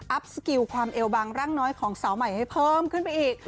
สกิลความเอวบางร่างน้อยของสาวใหม่ให้เพิ่มขึ้นไปอีก